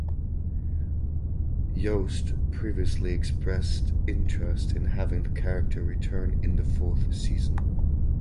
Yost previously expressed interest in having the character return in the fourth season.